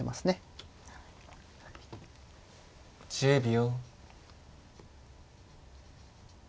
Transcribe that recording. １０秒。